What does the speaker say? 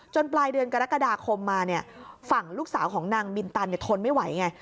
ปลายเดือนกรกฎาคมมาเนี่ยฝั่งลูกสาวของนางมินตันทนไม่ไหวไง